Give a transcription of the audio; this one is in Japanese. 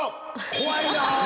怖いなあ。